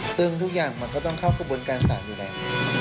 ซึ่งทุกอย่างมันก็ต้องเข้ากระบวนการศาลอยู่แล้ว